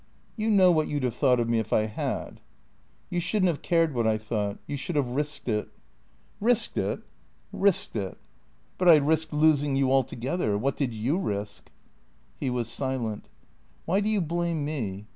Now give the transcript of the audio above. You know what you 'd have thought of me if I had." "You shouldn't have cared what I thought. You should have risked it." "Eisked it?" " Eisked it." " But I risked losing you altogether. What did you risk? " He was silent. "Why do you blame me?